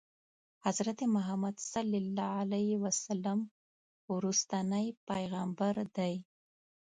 حضرت محمد صلی الله علیه وسلم وروستنی پیغمبر دی.